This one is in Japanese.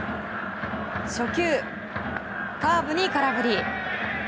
初球、カーブに空振り。